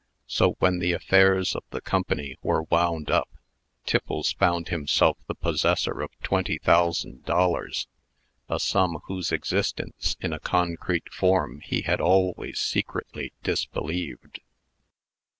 So, when the affairs of the Company were wound up, Tiffles found himself the possessor of twenty thousand dollars a sum whose existence in a concrete form he had always secretly disbelieved.